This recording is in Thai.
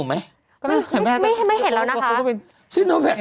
ไม่ไม่เห็นแล้วนะคะ